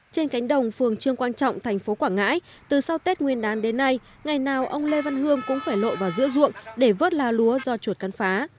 trên cánh đồng phường trương quang trọng thành phố quảng ngãi từ sau tết nguyên đán đến nay ngày nào ông lê văn hương cũng phải lội vào giữa ruộng để vớt lá lúa do chuột cắn phá